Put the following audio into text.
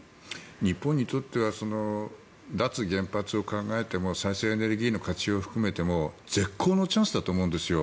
日本にとっては脱原発を考えても再生エネルギーの活用を含めても絶好のチャンスだと思うんですよ。